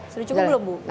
sudah cukup belum bu